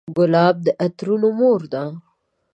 ګلاب د عطرونو مور ده.